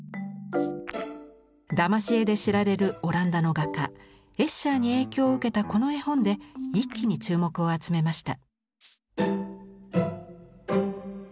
だまし絵で知られるオランダの画家エッシャーに影響を受けたこの絵本で一気に注目を集めました。